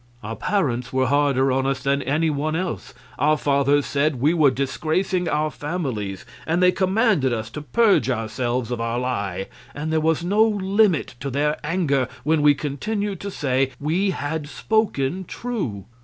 Our parents were harder on us than any one else. Our fathers said we were disgracing our families, and they commanded us to purge ourselves of our lie, and there was no limit to their anger when we continued to say we had spoken true.